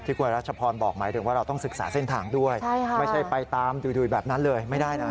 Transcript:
คุณรัชพรบอกหมายถึงว่าเราต้องศึกษาเส้นทางด้วยไม่ใช่ไปตามดุยแบบนั้นเลยไม่ได้นะ